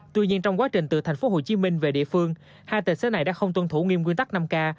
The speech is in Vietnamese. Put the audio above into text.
tuy nhiên trong quá trình từ thành phố hồ chí minh về địa phương hai tài xế này đã không tuân thủ nghiêm quyên tắc năm k